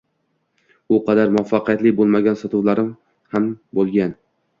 U qadar muvaffaqiyatli boʻlmagan sotuvlarim ham boʻlgan.